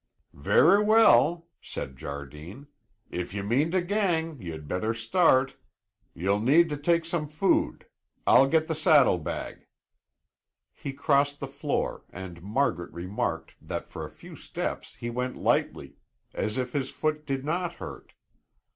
"Verra weel," said Jardine. "If ye mean to gang, ye had better start. Ye'll need to take some food; I'll get the saddle bag." He crossed the floor and Margaret remarked that for a few steps he went lightly, as if his foot did not hurt.